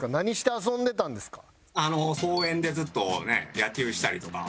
公園でずっと野球したりとか。